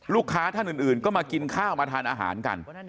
ท่านอื่นก็มากินข้าวมาทานอาหารกัน